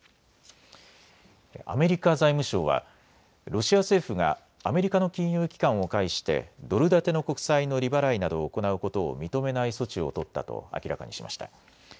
アメリカ財務省はロシア政府がアメリカの金融機関を介してドル建ての国債の利払いなどを行うことを認めない措置を取ったと明らかにしました。